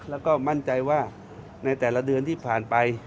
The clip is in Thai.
แล้วก็มั่นใจว่าในแต่ละเดือนที่ผ่านไป